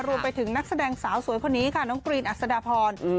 นักแสดงสาวสวยคนนี้ค่ะน้องกรีนอัศดาพร